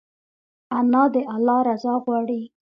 انا د الله رضا غواړي